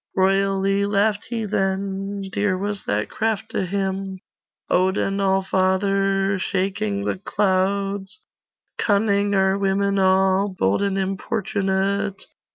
Royally laughed he then; Dear was that craft to him, Odin Allfather, Shaking the clouds. 'Cunning are women all, Bold and importunate!